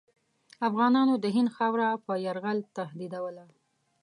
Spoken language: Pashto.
افغانانو د هند خاوره په یرغل تهدیدوله.